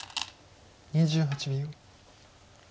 ２８秒。